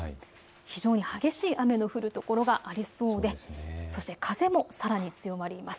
非常に激しい雨の降る所がありそうでそして風もさらに強まります。